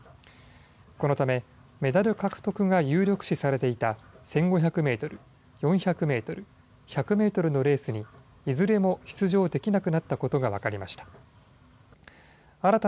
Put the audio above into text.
このためメダル獲得が有力視されていた１５００メートル、４００メートル、１００メートルのレースにいずれも出場できなくなったことが分かりました。